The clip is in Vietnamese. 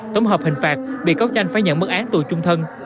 tổng hợp hình phạt bị cáo tranh phải nhận mất án tù trung thân